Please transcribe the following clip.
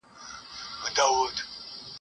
استاد بسم الله خان درواغ نه وایي.